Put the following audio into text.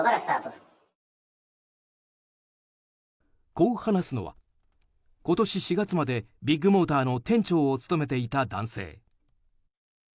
こう話すのは今年４月までビッグモーターの店長を務めていた男性。